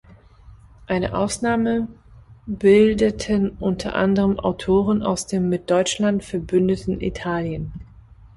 Eine Ausnahme bildeten unter anderem Autoren aus dem mit Deutschland verbündeten Italien.